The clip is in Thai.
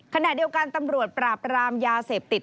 ขณะเดียวกันตำรวจปราบรามยาเสพติด